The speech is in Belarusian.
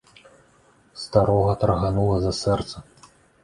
Старога тарганула за сэрца.